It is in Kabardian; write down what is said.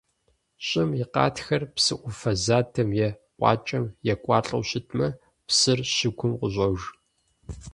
ЩӀым и къатхэр псы Ӏуфэ задэм е къуакӀэм екӀуалӀэу щытмэ, псыр щыгум къыщӀож.